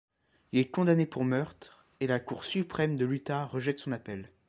Il est condamné pour meurtre, et la Cour suprême de l'Utah rejette son appel.